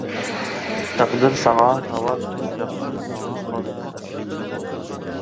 تەقدىر ساڭا تاۋار تون ياپسۇن، ماڭا قالسۇن ئەسكى چاپىنى.